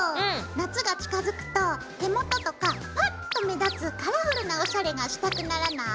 夏が近づくと手元とかパッと目立つカラフルなオシャレがしたくならない？